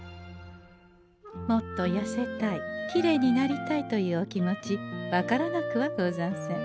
もっとやせたいきれいになりたいというお気持ちわからなくはござんせん。